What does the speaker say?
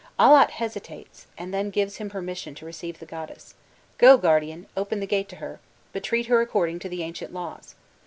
Allat hesitates, and then gives him permission to receive the goddess: 'Go, guardian, open the gate to her but treat her according to the ancient laws.